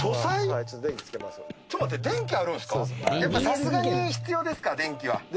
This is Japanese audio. やっぱさすがに必要ですか電気は。